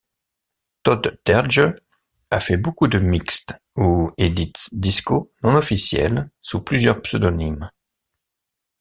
Todd Terje a fait beaucoup de mixs ou edits discos non-officielles sous plusieurs pseudonymes.